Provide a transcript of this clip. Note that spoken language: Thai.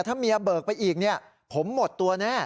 ถ้าเมียเบิกไปอีกเนี่ยผมหมดตัวแน่